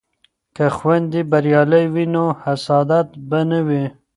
که خویندې بریالۍ وي نو حسادت به نه وي.